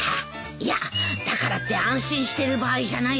いやだからって安心してる場合じゃないぞ。